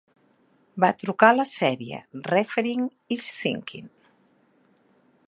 Va trucar a la sèrie, Refereeing is thinking.